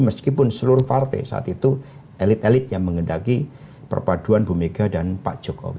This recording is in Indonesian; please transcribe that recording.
meskipun seluruh partai saat itu elit elit yang mengendaki perpaduan bu mega dan pak jokowi